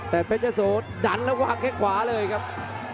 แต่เพชรยะโสดันแล้ววางแค่ขวาเลยครับ